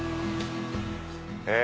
え